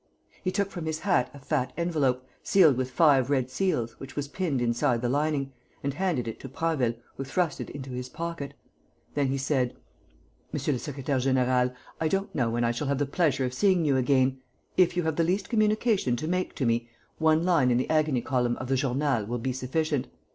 He took from his hat a fat envelope, sealed with five red seals, which was pinned inside the lining, and handed it to Prasville, who thrust it into his pocket. Then he said: "Monsieur le secrétaire; général, I don't know when I shall have the pleasure of seeing you again. If you have the least communication to make to me, one line in the agony column of the Journal will be sufficient.